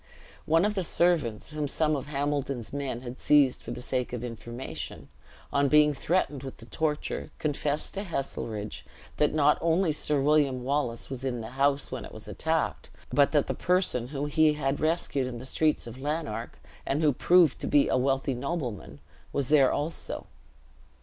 One of the servants, whom some of Hambledon's men had seized for the sake of information, on being threatened with the torture, confessed to Heselrigge, that not only Sir William Wallace was in the house when it was attacked, but that the person whom he had rescued in the streets of Lanark, and who proved to be a wealthy nobleman, was there also.